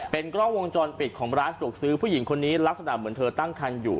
กล้องวงจรปิดของร้านสะดวกซื้อผู้หญิงคนนี้ลักษณะเหมือนเธอตั้งคันอยู่